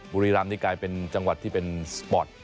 บุรีรำนี่กลายเป็นจังหวัดที่เป็นสปอร์ต